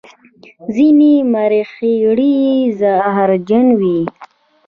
ځینې مرخیړي زهرجن وي